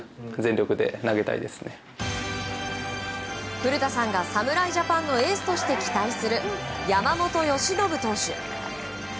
古田さんが侍ジャパンのエースとして期待する山本由伸投手。